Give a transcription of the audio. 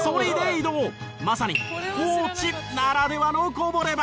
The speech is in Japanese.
まさに高地ならではのこぼれ話！